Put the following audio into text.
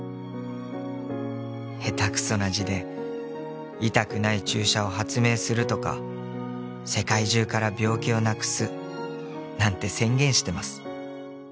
「下手くそな字で痛くない注射を発明するとか世界中から病気をなくすなんて宣言してます」